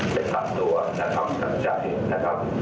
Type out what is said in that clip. จะตัดตัวนะครับกับใจนะครับ